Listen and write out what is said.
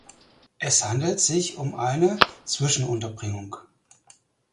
Es handelt sich um eine Zwischenunterbringung.